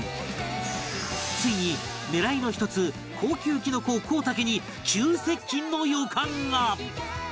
ついに狙いの一つ高級きのこコウタケに急接近の予感が